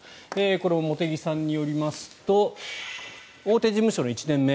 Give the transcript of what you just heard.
これも茂木さんによりますと大手事務所の１年目